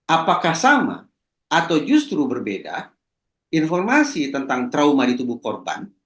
apakah sama atau justru berbeda informasi tentang trauma di tubuh korban